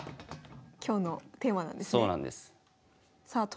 今日のテーマなんですね。